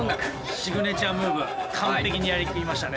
シグネチャームーブ完璧にやりきりましたね